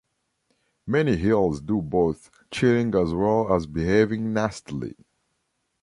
Many heels do both, cheating as well as behaving nastily.